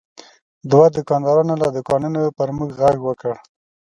دوه دوکاندارانو له دوکانونو پر موږ غږ وکړ.